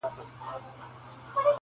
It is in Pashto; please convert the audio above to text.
• دا موږک چي ځانته ګرځي بې څه نه دی,